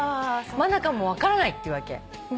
真香も分からないって言うわけ。